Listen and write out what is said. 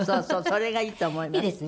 それがいいと思います。